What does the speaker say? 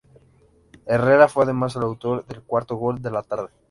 Herrera fue además el autor del cuarto gol de la tarde.